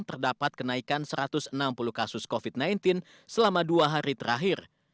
terdapat kenaikan satu ratus enam puluh kasus covid sembilan belas selama dua hari terakhir